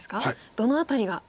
どの辺りが。